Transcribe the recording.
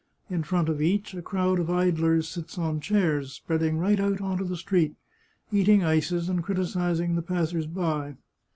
In front of each, a crowd of idlers sits on chairs, spreading right out into the street, eating ices and criticising the passers by.